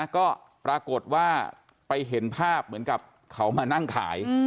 ก็ปรากฏว่าไปเห็นภาพเหมือนกับเขามานั่งขาย